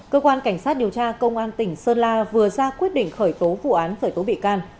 cơ quan cảnh sát điều tra công an tỉnh sơn la vừa ra quyết định khởi tố vụ án khởi tố bị can